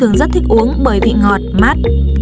nước dừa rất thích uống bởi vị ngọt mát